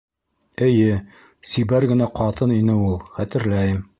Эйе, сибәр генә ҡатын ине ул. Хәтерләйем.